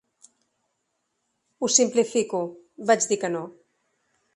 Ho simplifico, vaig dir que no.